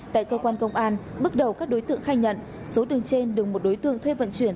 tại cơ quan công an bước đầu các đối tượng khai nhận số đường trên được một đối tượng thuê vận chuyển